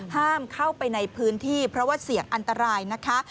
ห้ามเข้าไปในพื้นที่เพราะว่าเสี่ยงอันตรายนะคะ